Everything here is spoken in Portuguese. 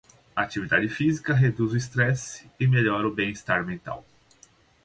A atividade física reduz o estresse e melhora o bem-estar mental.